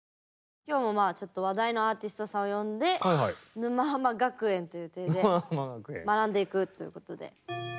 今日もまあちょっと話題のアーティストさんを呼んで沼ハマ学園という体で学んでいくということで。